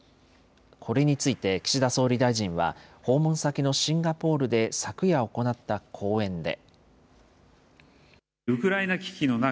これについて岸田総理大臣は、訪問先のシンガポールで昨夜行った講演で。